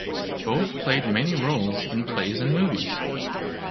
Both played many roles in plays and movies.